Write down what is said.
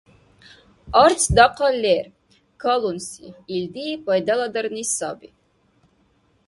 Арц дахъал лер. Калунси — илди пайдаладарни саби